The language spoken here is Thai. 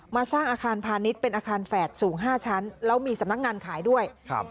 สร้างอาคารพาณิชย์เป็นอาคารแฝดสูง๕ชั้นแล้วมีสำนักงานขายด้วยครับ